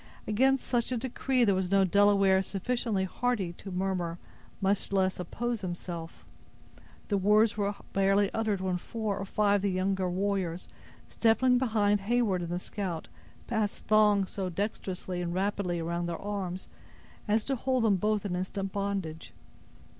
Against such a decree there was no Delaware sufficiently hardy to murmur, much less oppose himself. The words were barely uttered when four or five of the younger warriors, stepping behind Heyward and the scout, passed thongs so dexterously and rapidly around their arms, as to hold them both in instant bondage.